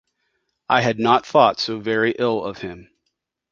I had not thought so very ill of him.